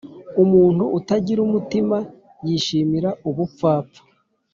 Umuntu utagira umutima yishimira ubupfapfa